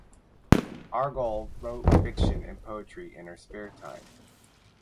Argall wrote fiction and poetry in her spare time.